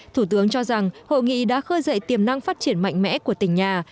thủ tướng cho rằng hội nghị đã khơi dậy tiềm năng phát triển mạnh mẽ của tỉnh nhà